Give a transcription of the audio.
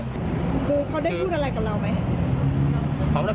คือเขาได้พูดอะไรกับเราไหม